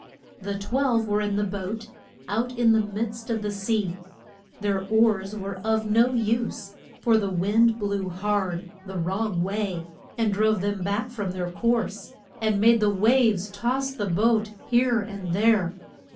The twelve were in the boat, out in the midst of the sea. Their oars were of no use, for the wind blew hard the wrong way, and drove them back from their course, and made the waves toss the boat here and there.